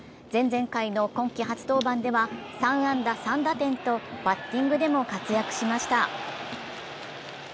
前々回の今季初登板では３安打３打点とバッティングでも活躍しました。